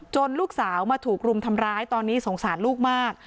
ลูกสาวมาถูกรุมทำร้ายตอนนี้สงสารลูกมาก